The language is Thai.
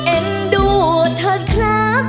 เอ็นดูเถินครับ